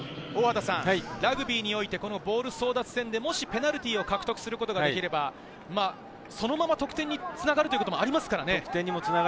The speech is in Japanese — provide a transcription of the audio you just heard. ラグビーにおいて、ボール争奪戦でもしペナルティーを獲得することができればそのまま得点に繋がることもありますからね。